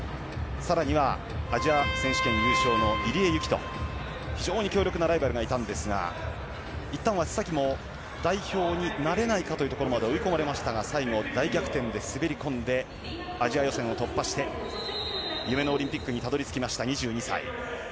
更にはアジア選手権優勝の入江ゆきと非常に強力なライバルがいたんですがいったんは須崎も代表になれないかというところまで追い込まれましたが最後、大逆転で滑り込んでアジア予選を突破して夢のオリンピックにたどり着きました、２２歳。